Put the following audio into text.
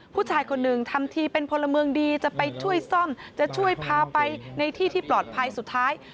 ผู้ชายคนหนึ่งทำทีเป็นพลเมืองดีจะไปช่วยซ่อมจะช่วยพาไปในที่ที่ปลอดภัยสุดท้าย